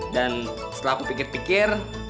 dan setelah aku pikir pikir